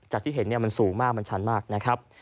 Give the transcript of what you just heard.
ที่เห็นมันสูงมากมันชันมากนะครับ